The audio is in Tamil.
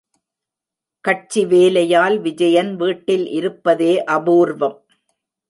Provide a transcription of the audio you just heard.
கட்சி வேலையால் விஜயன் வீட்டில் இருப்பதே அபூர்வம்.